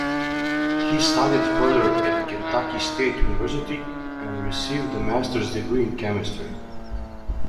He studied further at Kentucky State University and received a Master's degree in Chemistry.